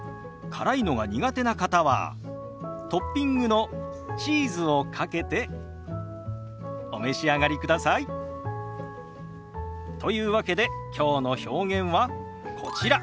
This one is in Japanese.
辛いのが苦手な方はトッピングのチーズをかけてお召し上がりください。というわけできょうの表現はこちら。